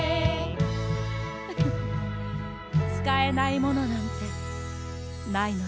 フフッつかえないものなんてないのよ。